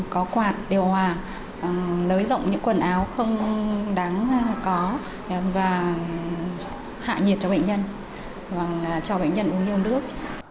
có quạt điều hòa nới rộng những quần áo không đáng có và hạ nhiệt cho bệnh nhân cho bệnh nhân uống nhiều nước